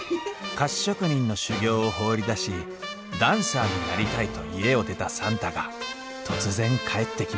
菓子職人の修業を放り出しダンサーになりたいと家を出た算太が突然帰ってきました